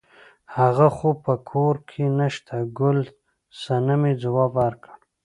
هغه خو په کور کې نشته ګل صمنې ځواب ورکړ.